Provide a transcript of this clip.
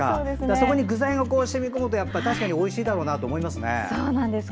そこに具材が染み込むと確かにおいしいだろうと思いますね。